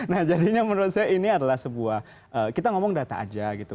nah jadinya menurut saya ini adalah sebuah kita ngomong data aja gitu